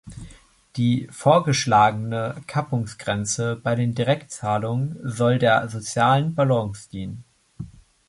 Die vorgeschlagene Kappungsgrenze bei den Direktzahlungen soll der sozialen Balance dienen.